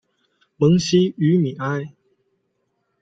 蒙希于米埃。